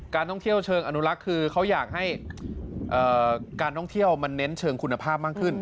ท่องเที่ยวเชิงอนุรักษ์คือเขาอยากให้การท่องเที่ยวมันเน้นเชิงคุณภาพมากขึ้น